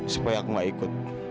supaya aku gak ikut